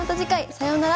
さようなら。